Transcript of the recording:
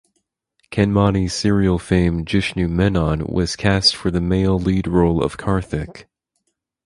Kanmani serial fame Jishnu Menon was cast for the male lead role of Karthik.